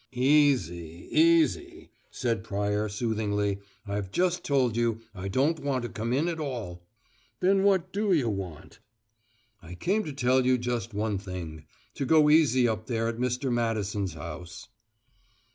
"Easy, easy," said Pryor, soothingly. "I've just told you I don't want to come in at all." "Then what do you want?" "I came to tell you just one thing: to go easy up there at Mr. Madison's house."